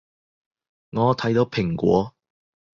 我睇到蘋果